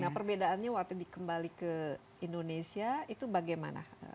nah perbedaannya waktu dikembali ke indonesia itu bagaimana